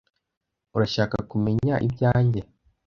urashaka kumenya ibyanjye